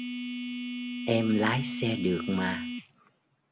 Em lái xe được mà